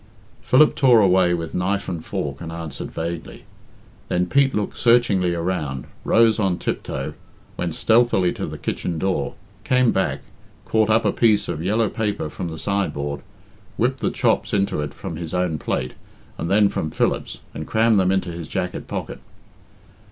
Philip tore away with knife and fork and answered vaguely. Then Pete looked searchingly around, rose on tiptoe, went stealthily to the kitchen door, came back, caught up a piece of yellow paper from the sideboard, whipped the chops into it from his own plate and then from Philip's, and crammed them into his jacket pocket.